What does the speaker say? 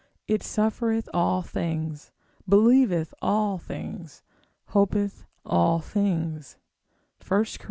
It suffereth all things, believeth all things, hopeth all things, 1 Cor.